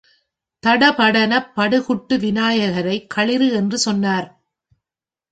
தடபடெனப் படு குட்டு விநாயகரைக் களிறு என்று சொன்னார்.